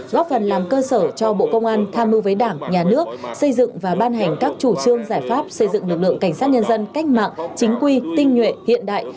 góp phần làm cơ sở cho bộ công an tham mưu với đảng nhà nước xây dựng và ban hành các chủ trương giải pháp xây dựng lực lượng cảnh sát nhân dân cách mạng chính quy tinh nhuệ hiện đại